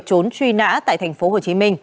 trốn truy nã tại tp hcm